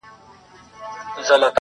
د " زلمۍ سندرو " چي هارون خپله